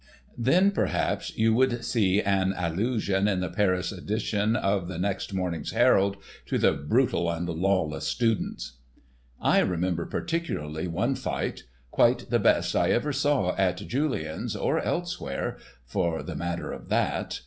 Then, perhaps, you would see an allusion in the Paris edition of the next morning's "Herald" to "the brutal and lawless students." I remember particularly one fight—quite the best I ever saw at Julien's or elsewhere, for the matter of that.